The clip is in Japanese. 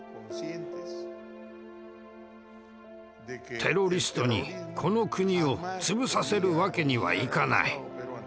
テロリストにこの国を潰させるわけにはいかない。